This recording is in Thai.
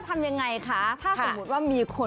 หมายถึงมารุมจีบ